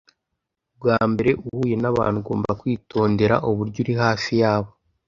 Ubwa mbere uhuye nabantu ugomba kwitondera uburyo uri hafi yabo